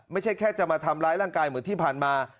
ไม่ใช่แค่จะมาทำร้ายร่างกายเหมือนที่ผ่านมา